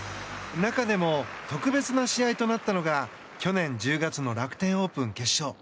中でも特別な試合となったのが去年１０月の楽天オープン決勝。